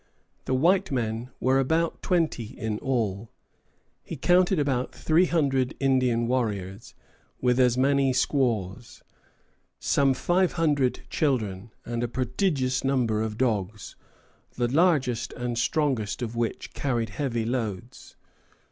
The white men were about twenty in all. He counted about three hundred Indian warriors, with as many squaws, some five hundred children, and a prodigious number of dogs, the largest and strongest of which dragged heavy loads.